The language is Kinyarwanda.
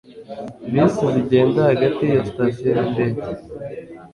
Bisi zigenda hagati ya sitasiyo nindege